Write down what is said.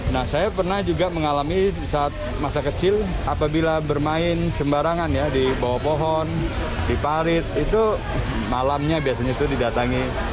nah saya pernah juga mengalami saat masa kecil apabila bermain sembarangan ya di bawah pohon di parit itu malamnya biasanya itu didatangi